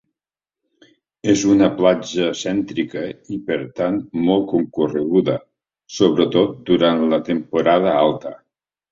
És una platja cèntrica i per tant molt concorreguda, sobretot durant la temporada alta.